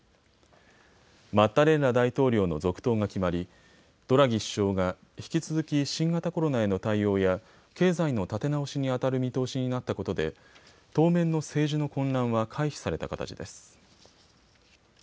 マッタレッラ大統領の続投が決まりドラギ首相が引き続き新型コロナへの対応や経済の立て直しにあたる見通しになったことで当面の政治の混乱は回避された形です。